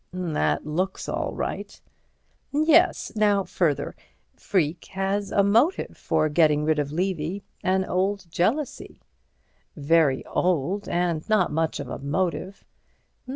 "That looks all right—" "Yes. Now, further: Freke has a motive for getting rid of Levy—an old jealousy." "Very old—and not much of a motive."